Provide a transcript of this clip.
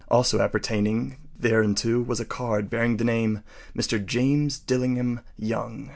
Also appertaining thereunto was a card bearing the name “Mr. James Dillingham Young.